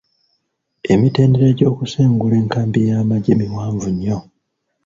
Emitendera gy'okusengula enkambi y'amagye miwanvu nnyo.